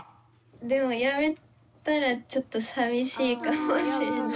でもやめたらちょっと寂しいかもしれない。